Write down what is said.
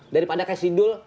daripada kayak si dul